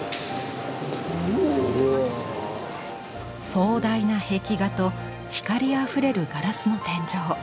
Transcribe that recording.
壮大な壁画と光あふれるガラスの天井。